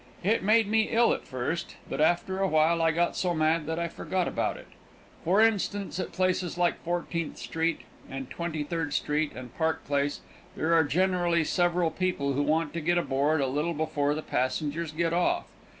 It made me ill at first, but after awhile I got so mad that I forgot about it. For instance, at places like Fourteenth street, and Twenty third street, and Park Place, there are generally several people who want to get aboard a little before the passengers get off.